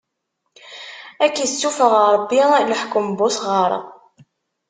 Ad k-issufeɣ Ṛebbi leḥkem n usɣaṛ!